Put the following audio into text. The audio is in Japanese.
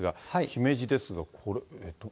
姫路ですが。